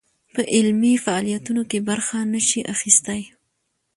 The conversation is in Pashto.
په علمي فعاليتونو کې برخه نه شي اخىستى